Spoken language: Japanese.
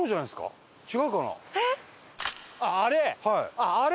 あっあれ？